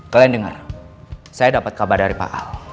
kalian dengar saya dapat kabar dari pak